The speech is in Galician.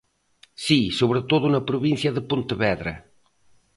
Si, sobre todo na provincia de Pontevedra.